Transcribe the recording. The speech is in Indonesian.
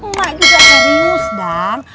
mak juga serius bang